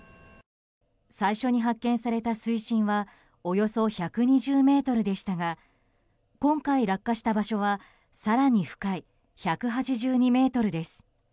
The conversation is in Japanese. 最初に発見された水深はおよそ１２０ｍでしたが今回落下した場所は更に深い１８２ｍです。